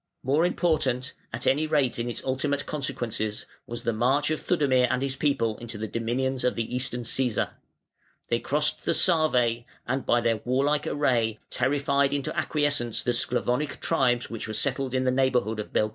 More important, at any rate in its ultimate consequences, was the march of Theudemir and his people into the dominions of the Eastern Cæsar. They crossed the Save, and by their warlike array terrified into acquiescence the Sclavonic tribes which were settled in the neighbourhood of Belgrade.